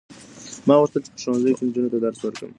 ما غوښتل چې په ښوونځي کې نجونو ته درس ورکړم.